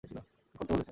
কী করতে চলেছো?